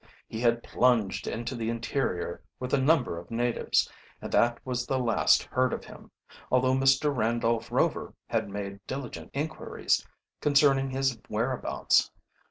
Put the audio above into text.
He had plunged into the interior with a number of natives, and that was the last heard of him, although Mr. Randolph Rover had made diligent inquiries concerning his whereabouts.